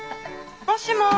もしもし！